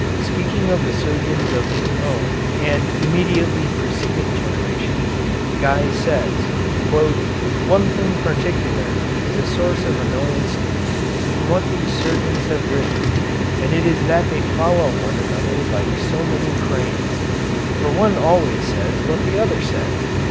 Speaking of the surgeons of his own and immediately preceding generations, Guy says: "One thing particularly is a source of annoyance to me in what these surgeons have written, and it is that they follow one another like so many cranes. For one always says what the other says.